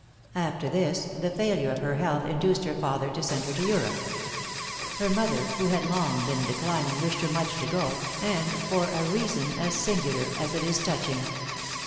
After this, the failure of her health induced her father to send her to Europe. Her mother, who had long been declining, wished her much to go, and for a reason as singular as it is touching.